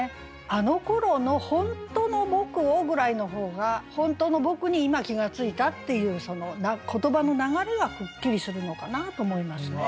「あの頃のホントの僕を」ぐらいの方がホントの僕に今気が付いたっていう言葉の流れがくっきりするのかなと思いますね。